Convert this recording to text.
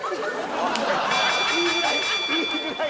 いいぐらい。